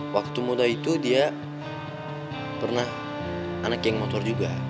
waktu muda itu dia pernah anak geng motor juga